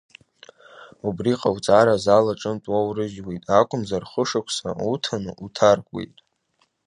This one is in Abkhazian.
Убри ҟауҵар, азал аҿынтә уоурыжьуеит, акәымзар хы-шықәса уҭаны уҭаркуеит.